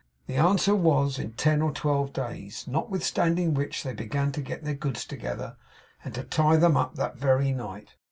The answer was, in ten or twelve days; notwithstanding which they began to get their goods together and to tie them up that very night.